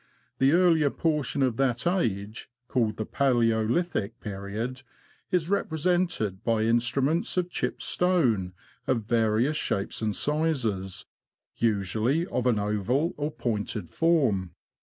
The earlier portion of that age, called the Palaeolithic period, is represented by instruments of chipped stone of various shapes and sizes, usually of an oval or pointed form.